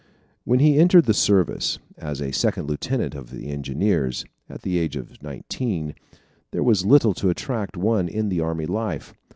When he entered the service, as a second lieutenant of the Engineers, at the age of nineteen, there was little to attract one in the army life.